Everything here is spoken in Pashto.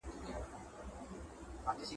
هغه د خلکو ترمنځ توپیر نه مني.